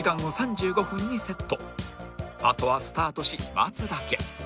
あとはスタートし待つだけ